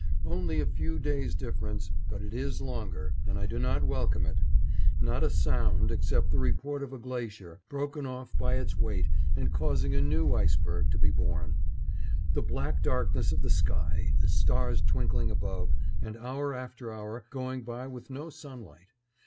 Only a few days' difference, but it is longer, and I do not welcome it. Not a sound, except the report of a glacier, broken off by its weight, and causing a new iceberg to be born. The black darkness of the sky, the stars twinkling above, and hour after hour going by with no sunlight.